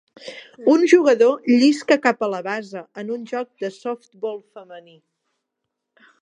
Un jugador llisca cap a la base en un joc de softbol femení.